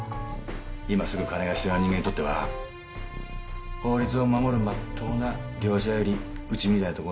今すぐ金が必要な人間にとっては法律を守るまっとうな業者よりうちみたいなとこが必要なの。